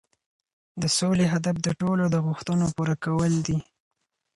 د سولې هدف د ټولو د غوښتنو پوره کول دي.